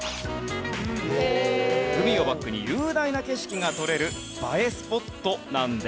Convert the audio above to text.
海をバックに雄大な景色が撮れる映えスポットなんです。